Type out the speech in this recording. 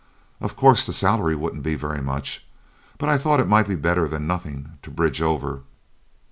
Of course, the salary wouldn't be so very much, but I thought it might be better than nothing to bridge over."